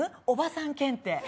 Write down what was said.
おばさん検定。